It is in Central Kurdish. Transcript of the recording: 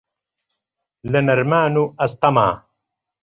لە نەرمان و ئەستەما